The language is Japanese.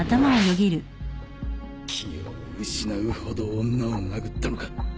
気を失うほど女を殴ったのか？